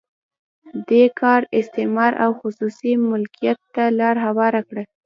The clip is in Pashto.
دې کار استثمار او خصوصي مالکیت ته لار هواره کړه.